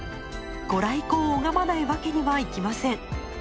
ご来光を拝まないわけにはいきません。